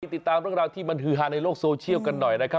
ติดตามเรื่องราวที่มันฮือฮาในโลกโซเชียลกันหน่อยนะครับ